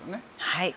はい。